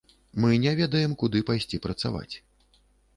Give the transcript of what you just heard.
Мы не ведаем, куды пайсці працаваць.